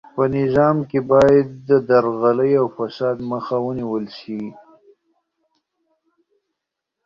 په نظام کې باید د درغلۍ او فساد مخه ونیول سي.